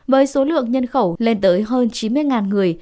với số lượng nhân khẩu lên tới hơn chín mươi người